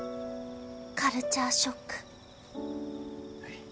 カルチャーショックほい。